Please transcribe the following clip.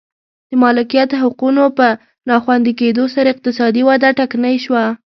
د مالکیت حقونو په ناخوندي کېدو سره اقتصادي وده ټکنۍ شوه.